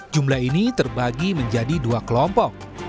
jumlah ini terbagi menjadi dua kelompok